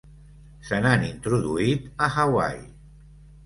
Se n'han introduït a Hawaii.